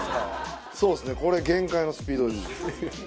そうですねこれ限界のスピードです。